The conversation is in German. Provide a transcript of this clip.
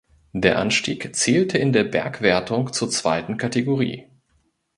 Der Anstieg zählte in der Bergwertung zur zweiten Kategorie.